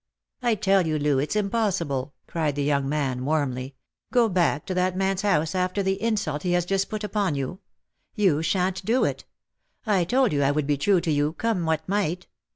" I tell you, Loo, it's impossible," cried the young man warmly. " Go back to that man's house after the insult he has just put upon you ! Tou shan't do it. I told you I would be true to you, come what might.